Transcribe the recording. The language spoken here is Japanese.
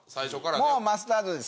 もうマスタードです。